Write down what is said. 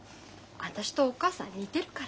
私とお母さん似てるから。